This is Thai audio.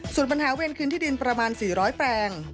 ส่วนปัญหาเวรคืนที่ดินประมาณ๔๐๐แปลง